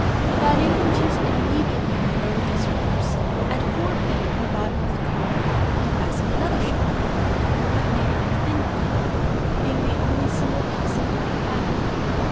About eight inches immediately below these ropes, and four feet from the bottom of the car I fastened another shelf—but made of thin plank, being the only similar piece of wood I had.